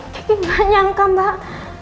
kiki banyakkan mbak